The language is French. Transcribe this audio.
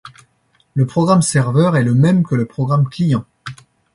Le programme serveur est le même que le programme client.